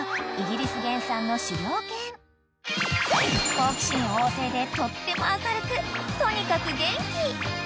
［好奇心旺盛でとっても明るくとにかく元気］